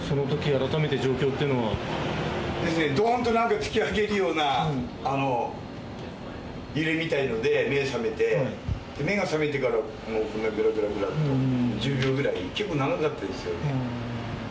どーんと突き上げるような揺れみたいなので、目が覚めて目が覚めてからぐらぐらと１０秒ぐらい結構長かったですよ。